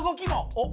おっ！